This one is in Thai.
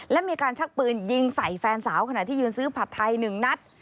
และมีการชักปืนยิงใส่แฟนสาวขณะที่ยืนซื้อผัดไทย๑นัด